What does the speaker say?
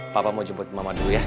papa mau jemput mama dulu ya